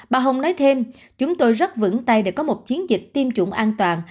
bà hồng nói thêm chúng tôi rất vững tay để có một chiến dịch tiêm chủng an toàn